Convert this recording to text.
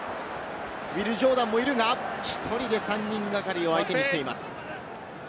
ウィル・ジョーダンもいるが、１人で３人がかりを相手にしています。